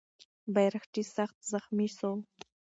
بیرغچی سخت زخمي سو.